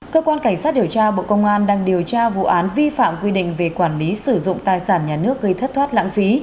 cơ quan cảnh sát điều tra bộ công an đang điều tra vụ án vi phạm quy định về quản lý sử dụng tài sản nhà nước gây thất thoát lãng phí